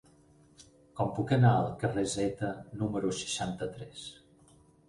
Com puc anar al carrer Zeta número seixanta-tres?